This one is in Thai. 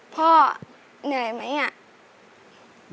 พ่อเหนื่อยไหมอ่ะ